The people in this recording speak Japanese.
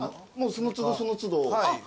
その都度その都度？